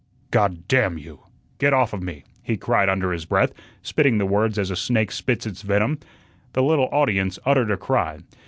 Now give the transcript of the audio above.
"God damn you! get off of me," he cried under his breath, spitting the words as a snake spits its venom. The little audience uttered a cry.